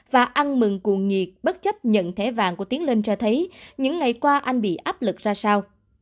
và ăn mừng cuồng nhiệt bất chấp nhận thẻ vàng của tiến lên cho thấy những ngày qua anh bị áp lực ra sao